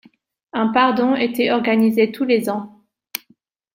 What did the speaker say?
Un pardon était organisé tous les ans.